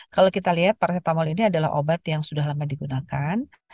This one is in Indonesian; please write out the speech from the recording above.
kalau kita lihat paracetamol ini adalah obat yang sudah lama digunakan